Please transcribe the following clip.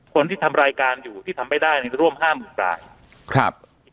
คนที่ทำรายการอยู่ที่ทำไม่ได้เนี่ยร่วมห้าหมื่นรายครับ